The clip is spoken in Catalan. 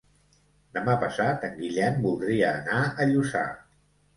Demà passat en Guillem voldria anar a Lluçà.